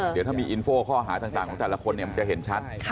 เดี๋ยวถ้ามีอินโฟข้อหาต่างของแต่ละคนมันจะเห็นชัด